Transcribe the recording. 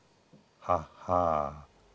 はっはぁ。